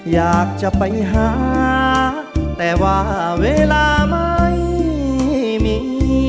อยากจะไปหาแต่ว่าเวลาไม่มี